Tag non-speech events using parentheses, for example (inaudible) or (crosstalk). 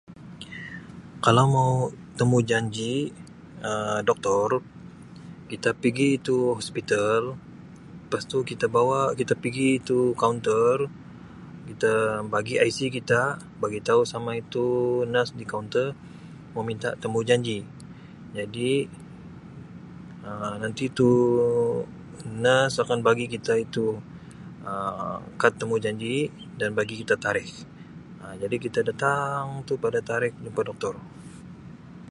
(noise) Kalau temujanji Um doktor, kita pigi itu hospital pastu kita bawa kita pigi tu kaunter kita bagi IC kita, bagitau sama itu nurse di kaunter mau minta temujanji jadi Um nanti tu nurse akan bagi kita itu Um kad temujanji dan bagi kita tarikh Um jadi kita datang tu pada tarikh jumpa doktor.